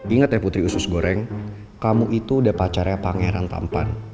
ingat ya putri usus goreng kamu itu udah pacara pangeran tampan